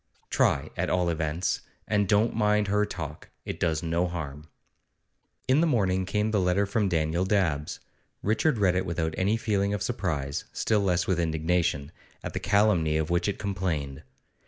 'Try, at all events. And don't mind her talk; it does no harm.' In the morning came the letter from Daniel Dabbs. Richard read it without any feeling of surprise, still less with indignation, at the calumny of which it complained.